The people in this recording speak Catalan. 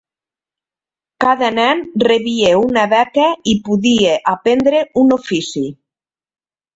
Cada nen rebia una beca i podia aprendre un ofici.